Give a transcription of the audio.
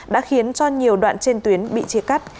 đã khiến cho nhiều đoạn trên tuyến bị chia cắt